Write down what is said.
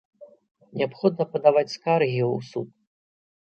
Неабходна падаваць скаргі ў суд.